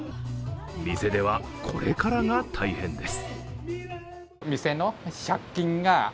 店ではこれからが大変です。